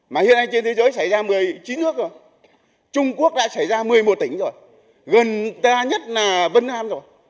mà hiện nay trên thế giới xảy ra một mươi chín nước rồi trung quốc đã xảy ra một mươi một tỉnh rồi gần ta nhất là vân nam rồi